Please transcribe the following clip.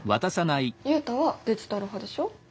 ユウタはデジタル派でしょ？